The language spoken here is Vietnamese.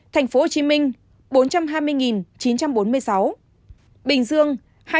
thành phố hồ chí minh bốn trăm hai mươi chín trăm bốn mươi sáu bình dương hai trăm hai mươi sáu tám trăm bốn mươi sáu